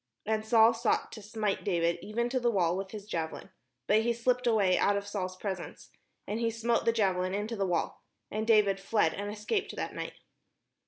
And Saul sought to smite David even to the wall with the javelin; but he slipped away out of Saul's presence, and he smote the javelin into the wall: and David fled, and escaped that night.